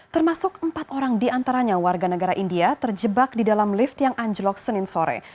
termasuk empat orang diantaranya warga negara india terjebak di dalam lift yang anjlok senin sore